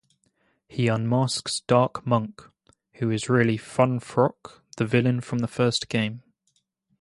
He unmasks Dark Monk, who is really FunFrock, the villain from the first game.